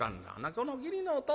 この義理のおと